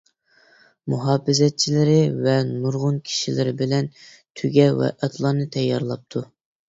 مۇھاپىزەتچىلىرى ۋە نۇرغۇن كىشىلىرى بىلەن تۆگە ۋە ئاتلارنى تەييارلاپتۇ.